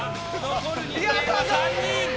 残る人間は３人！